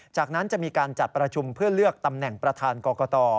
จากนั้นจะมีการจัดประชุมเพื่อเลือกตำแหน่งประธานกรกต